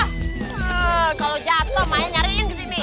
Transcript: kalau jatoh maya nyariin kesini